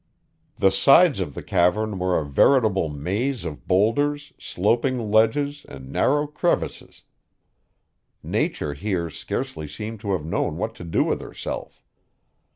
The sides of the cavern were a veritable maze of boulders, sloping ledges, and narrow crevices. Nature here scarcely seemed to have known what to do with herself.